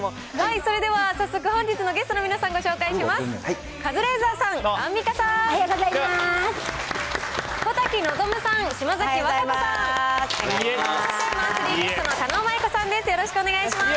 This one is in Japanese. それでは早速、本日のゲストの皆さん、ご紹介します。